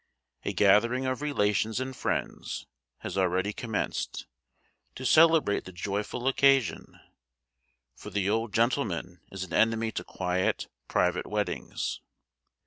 A gathering of relations and friends has already commenced, to celebrate the joyful occasion; for the old gentleman is an enemy to quiet, private weddings.